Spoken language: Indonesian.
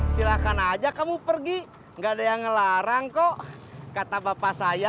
silahkan aja kamu pergi gak ada yang ngelarang kok kata bapak saya